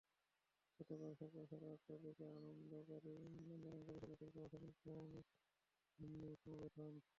গতকাল সকাল সাড়ে আটটার দিকে আন্দোলনকারী শিক্ষার্থীরা প্রশাসন ভবনের সামনে সমবেত হন।